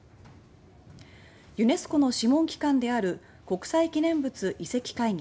ユネスコの諮問機関である国際記念物遺跡会議